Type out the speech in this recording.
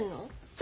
そ。